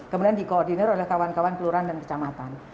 kemudian dikoordinir oleh kawan kawan kelurahan dan kecamatan